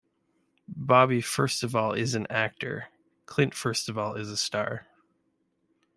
Bobby first of all is an actor, Clint first of all is a star.